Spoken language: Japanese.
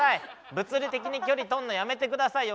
物理的に距離とんのやめて下さいよ